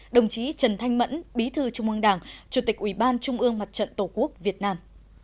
đồng chí trần thanh mẫn bí thư trung ương đảng chủ tịch ủy ban trung ương mặt trận tổ quốc việt nam